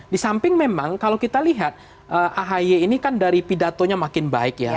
di samping memang kalau kita lihat ahy ini kan dari pidatonya makin baik ya